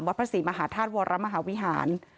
วัชกาศิมหาธาตุโวรมรมหาวิหาร